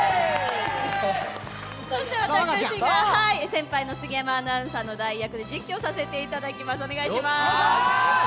そして私が先輩の杉山アナウンサーの代役で実況させていただきます。